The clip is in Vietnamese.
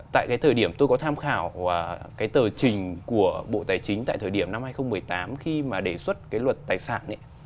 tại cái thời điểm tôi có tham khảo cái tờ trình của bộ tài chính tại thời điểm năm hai nghìn một mươi tám khi mà đề xuất cái luật tài sản